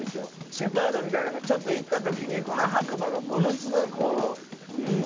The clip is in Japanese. シェパードみたいなんがちょっと行った時に白馬がものすごいこううん？